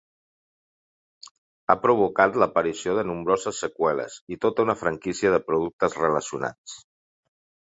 Ha provocat l'aparició de nombroses seqüeles i tota una franquícia de productes relacionats.